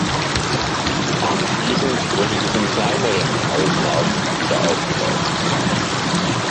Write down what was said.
Anschließend wurde es in kleineren Ausmaßen wieder aufgebaut.